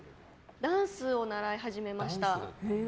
ダンスを習い始めました。